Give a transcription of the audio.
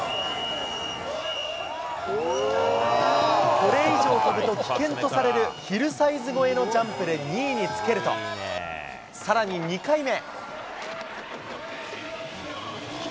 これ以上飛ぶと危険とされるヒルサイズ越えのジャンプで２位につけると、さらに２回目。